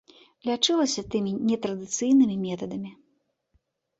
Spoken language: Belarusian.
Лячылася тымі нетрадыцыйнымі метадамі.